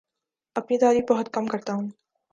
اپنی تعریف بہت کم کرتا ہوں